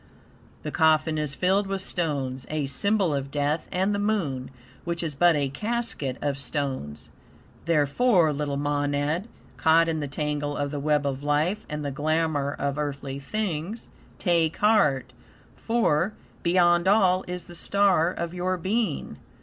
the coffin is filled with stones, a symbol of death and the Moon, which is but a casket of stones. Therefore, little monad, caught in the tangle of the web of life and the glamour of earthly things, take heart, for, beyond all, is the star of your being.